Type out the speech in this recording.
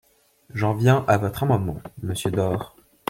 J’en viens à votre amendement, monsieur Door.